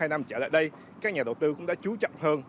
hai năm trở lại đây các nhà đầu tư cũng đã chú trọng hơn